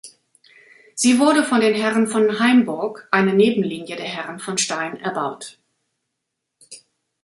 Sie wurde von den Herren von Haimburg, eine Nebenlinie der Herren von Stein, erbaut.